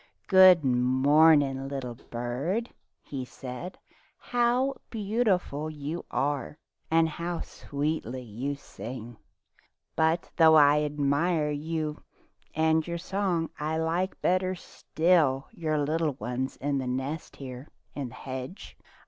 "Good morning, little bird," he said. "How beautiful you are, and how sweetly you sing ! But though I admire you and your song, I like better still your young ones in the nest here in the hedge.